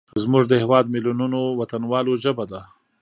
زموږ د هیواد میلیونونو وطنوالو ژبه ده.